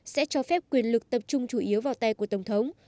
sẽ cho phép quyền lực tập trung chủ yếu vào tay của tổng thống